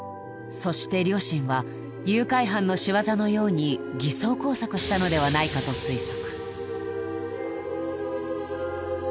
そして両親は誘拐犯の仕業のように偽装工作したのではないかと推測